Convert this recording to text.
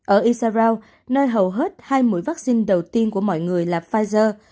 ở israel nơi hầu hết hai mũi vắc xin đầu tiên của mọi người là pfizer